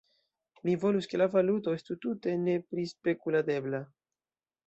Mi volus ke la valuto estu tute neprispekuladebla.